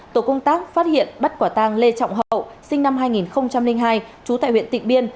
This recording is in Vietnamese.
tổ công tác phát hiện bắt quả tàng lê trọng hậu sinh năm hai nghìn hai trú tại huyện tịnh biên